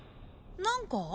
何か？